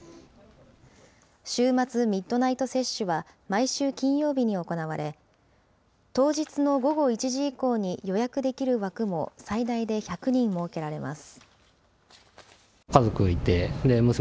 週末ミッドナイト接種は、毎週金曜日に行われ、当日の午後１時以降に予約できる枠も最大で１００人設けられます。